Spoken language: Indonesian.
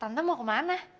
tante mau kemana